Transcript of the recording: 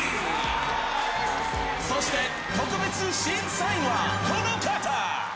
そして特別審査員はこの方。